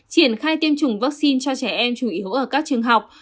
triển khai tiêm chủng vaccine cho trẻ em chủ yếu ở các trường học